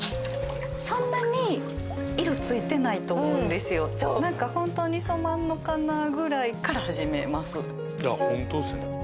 そんなに色ついてないと思うんですよなんかホントに染まんのかなぐらいから始めますホントですね